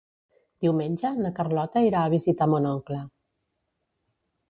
Diumenge na Carlota irà a visitar mon oncle.